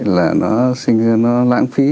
là nó sinh ra nó lãng phí